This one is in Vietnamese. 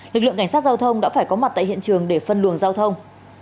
lực lượng cảnh sát giao thông đã phải có mặt tại hiện trường để phân luồng giao thông